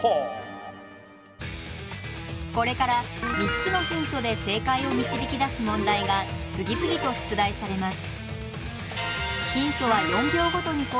これから３つのヒントで正解を導き出す問題が次々と出題されます。